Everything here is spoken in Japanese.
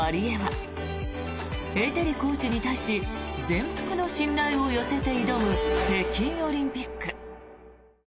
エテリコーチに対し全幅の信頼を寄せて挑む北京オリンピック。